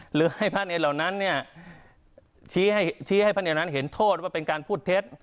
หรือให้พระเนรเหล่านั้นชี้ให้พระเนรนั้นเห็นโทษว่าเป็นการพูดเท็จ